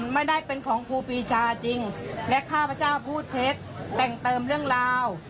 ไม่ได้เป็นของครูปีชาจริงและข้าพเจ้าพูดเท็จแต่งเติมเรื่องราว